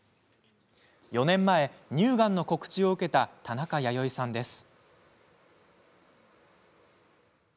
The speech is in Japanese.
４年前、乳がんの告知を受けた田中弥生さんです。